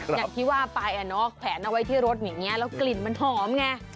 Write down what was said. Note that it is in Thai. อย่างที่ว่าไปแขวนเอาไว้ที่รถอย่างนี้แล้วกลิ่นมันหอมไง